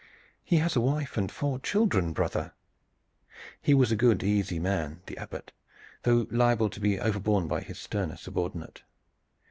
"He has a wife and four children, brother." He was a good, easy man, the Abbot, though liable to be overborne by his sterner subordinate.